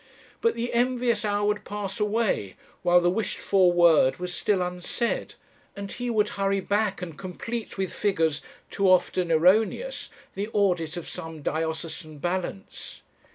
But the envious hour would pass away, while the wished for word was still unsaid; and he would hurry back, and complete with figures, too often erroneous, the audit of some diocesan balance.